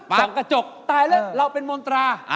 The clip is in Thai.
ส่องกระจกตายแล้วเราเป็นมนตรา